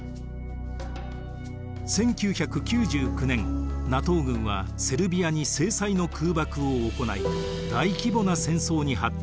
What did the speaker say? １９９９年ＮＡＴＯ軍はセルビアに制裁の空爆を行い大規模な戦争に発展。